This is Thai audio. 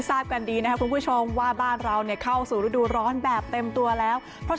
ทราบกันดีนะครับคุณผู้ชมว่าบ้านเราเนี่ยเข้าสู่ฤดูร้อนแบบเต็มตัวแล้วเพราะ